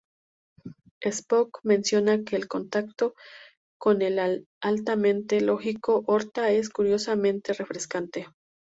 Spock menciona que el contacto con el altamente lógico Horta es "curiosamente refrescante".